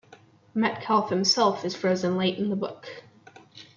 Metcalf himself is frozen late in the book.